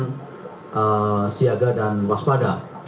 dan siaga dan waspada